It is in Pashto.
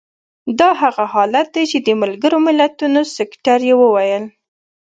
دا هغه حالت دی چې د ملګرو ملتونو سکتر یې وویل.